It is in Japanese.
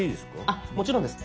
あっもちろんです。